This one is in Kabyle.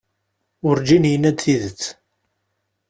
Urǧin yenna-d tidet.